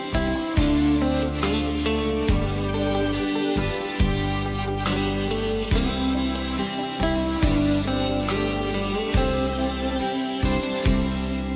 ขอบคุณทุกคน